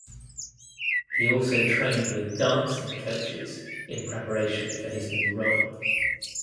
He also trained with dancing coaches in preparation for his new role.